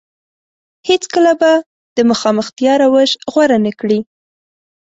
هېڅ کله به د مخامختيا روش غوره نه کړي.